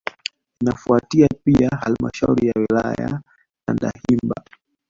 Inafuatia Pia halmashauri ya wilaya ya Tandahimba